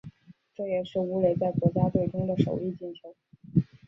这也是武磊在国家队中的首粒进球。